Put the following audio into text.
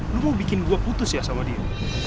lu mau bikin gue putus ya sama dia